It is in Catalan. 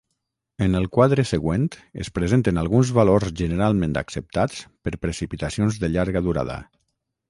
En el quadre següent es presenten alguns valors generalment acceptats per precipitacions de llarga durada.